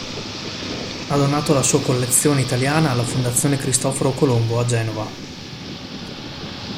Ha donato la sua collezione italiana alla Fondazione Cristoforo Colombo a Genova.